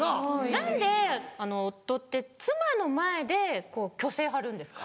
何で夫って妻の前で虚勢張るんですか？